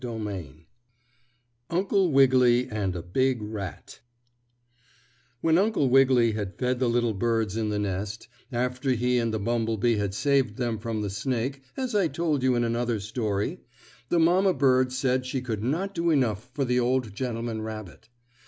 STORY III UNCLE WIGGILY AND A BIG RAT When Uncle Wiggily had fed the little birds in the nest, after he and the bumble bee had saved them from the snake, as I told you in another story, the mamma bird said she could not do enough for the old gentleman rabbit.